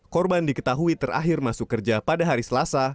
korban diketahui terakhir masuk kerja pada hari selasa